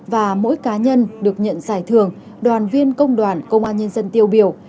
và mỗi cá nhân được nhận giải thưởng đoàn viên công đoàn công an nhân dân tiêu biểu